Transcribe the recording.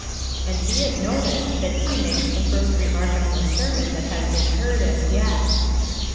And be it noticed that he makes the first remark on the sermon that has been heard as yet.